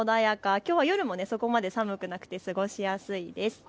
きょうは夜もそこまで寒くなくて過ごしやすいです。